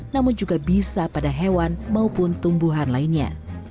namun juga bisa pada hewan maupun tumbuhan lainnya